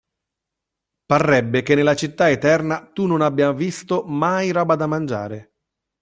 Parrebbe che nella Città Eterna tu non abbia visto mai roba da mangiare.